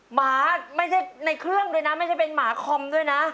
หมาไม่ใช่ในเครื่องด้วยนะไม่ใช่เป็นหมาคอมด้วยนะ